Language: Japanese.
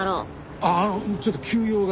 あああのちょっと急用が。